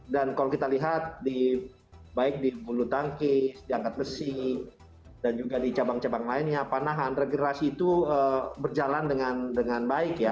dan kalau kita lihat baik di bulutangkis di angkat mesi dan juga di cabang cabang lainnya panahan regenerasi itu berjalan dengan baik ya